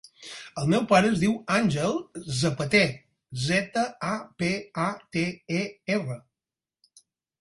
El meu pare es diu Àngel Zapater: zeta, a, pe, a, te, e, erra.